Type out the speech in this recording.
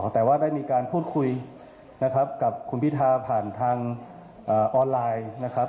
แต่ว่าได้มีการพูดคุยกับคุณพิทธาผ่านทางออนไลน์